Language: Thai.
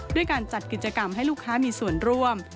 ด้วยการจัดกิจกรรมให้ลูกค้ามีส่วนร่วม